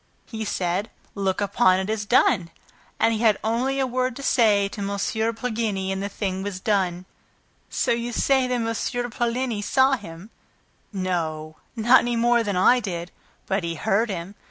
He said, 'Look upon it as done.' And he had only a word to say to M. Poligny and the thing was done." "So you see that M. Poligny saw him!" "No, not any more than I did; but he heard him.